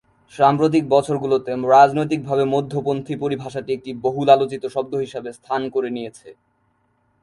সাম্প্রতিক বছরগুলোতে, রাজনৈতিকভাবে মধ্যপন্থী পরিভাষাটি একটি বহুল আলোচিত শব্দ হিসেবে স্থান করে নিয়েছে।